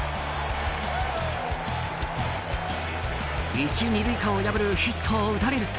１、２塁間を破るヒットを打たれると。